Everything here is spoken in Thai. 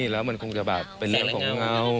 แล้วมันคงจะแบบเป็นเรื่องของเงา